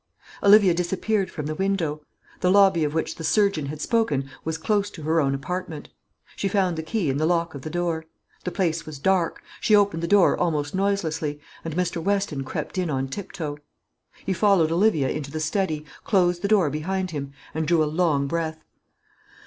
Olivia disappeared from the window. The lobby of which the surgeon had spoken was close to her own apartment. She found the key in the lock of the door. The place was dark; she opened the door almost noiselessly, and Mr. Weston crept in on tiptoe. He followed Olivia into the study, closed the door behind him, and drew a long breath.